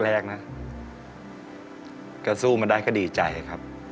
แรกนะก็สู้มาได้ก็ดีใจครับ